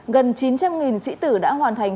gần chín trăm linh sĩ tử đã hoàn thành